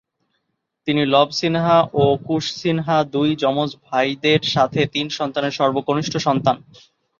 তিনি "লব সিনহা" ও "কুশ সিনহা" দুই যমজ ভাইদের সাথে তিন সন্তানের সর্বকনিষ্ঠ সন্তান।